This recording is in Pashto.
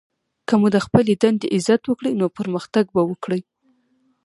که مو د خپلي دندې عزت وکړئ! نو پرمختګ به وکړئ!